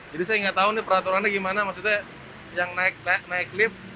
jadi saya nggak tau nih peraturannya gimana maksudnya yang naik naik